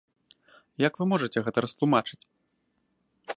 Як вы можаце гэта растлумачыць?